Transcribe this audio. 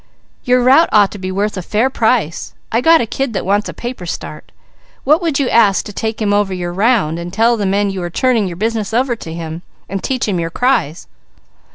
Your route ought to be worth a fair price. I got a kid that wants a paper start. What would you ask to take him over your round and tell the men you are turning your business over to him, and teach him your cries?"